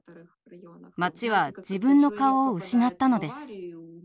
町は自分の顔を失ったのです。